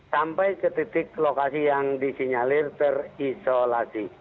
sampai ke titik lokasi yang disinyalir terisolasi